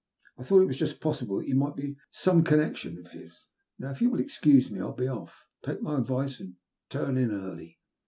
I thought it was just possible that you might be some connection of his. Now, if you will excuse me, I'll be off. Take my advice and turn in early.